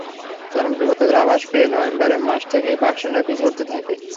চরম বিপদের আভাস পেয়ে নভেম্বর মাস থেকেই পাক সেনারা পিছু হটতে থাকে।